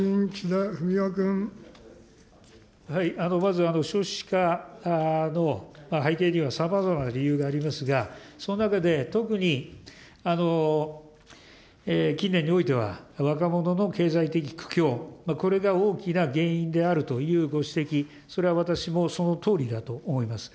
まず、少子化の背景には、さまざまな理由がありますが、その中で特に、近年においては、若者の経済的苦境、これが大きな原因であるというご指摘、それは私もそのとおりだと思います。